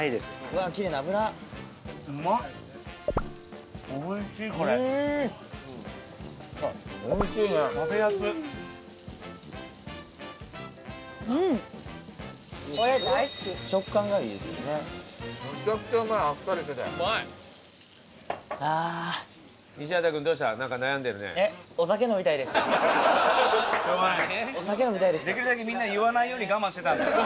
できるだけみんな言わないように我慢してた。